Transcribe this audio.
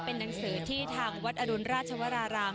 เป็นหนังสือที่ทางวัดอรุณราชวราราม